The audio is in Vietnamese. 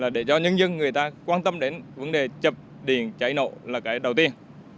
để cho nhân dân người ta quan tâm đến vấn đề chập điện cháy nổ là cái đầu tiên